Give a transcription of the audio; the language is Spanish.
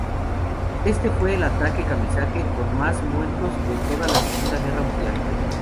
Este fue el ataque kamikaze con más muertos de toda la Segunda Guerra Mundial.